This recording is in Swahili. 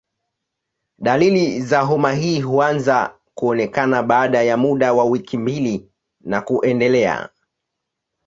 Dalili za homa hii huanza kuonekana baada ya muda wa wiki mbili na kuendelea.